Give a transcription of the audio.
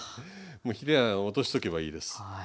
もうヒレは落としとけばいいです。